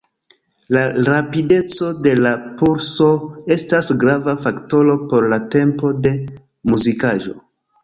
La rapideco de la pulso estas grava faktoro por la tempo de muzikaĵo.